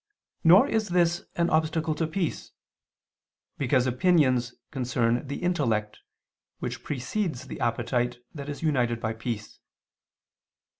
Nor is this an obstacle to peace, because opinions concern the intellect, which precedes the appetite that is united by peace.